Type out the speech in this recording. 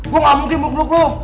gue gak mungkir mau peluk lo